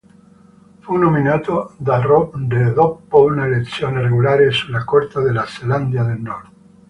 Fu nominato re dopo un'elezione regolare sulla costa della Selandia del nord.